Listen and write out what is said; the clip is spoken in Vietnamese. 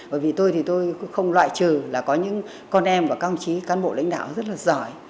bởi vì tôi thì tôi không loại trừ là có những con em và các ông chí cán bộ lãnh đạo rất là giỏi